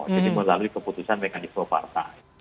jadi melalui keputusan mekanisme partai